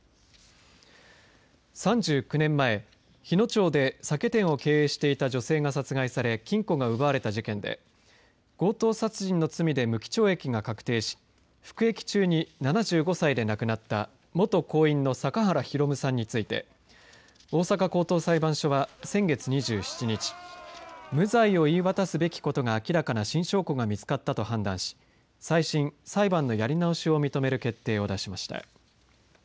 ３９年前日野町で酒店を経営していた女性が殺害され金庫が奪われた事件で強盗殺人の罪で無期懲役が確定し服役中に７５歳で亡くなった元工員の阪原弘さんについて大阪高等裁判所は先月２７日無罪を言い渡すべきことが明らかな新証拠が見つかったと判断し再審、裁判のやり直しを認める決定を出しました。